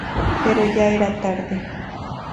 Pero ya era tarde.